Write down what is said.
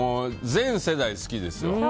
全世代大好きですよ。